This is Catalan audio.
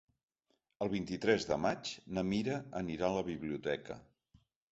El vint-i-tres de maig na Mira anirà a la biblioteca.